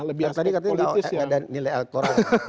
tadi katanya tidak ada nilai elektoral